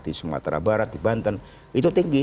di sumatera barat di banten itu tinggi